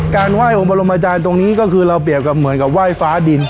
ไหว้องค์บรมอาจารย์ตรงนี้ก็คือเราเปรียบกับเหมือนกับไหว้ฟ้าดิน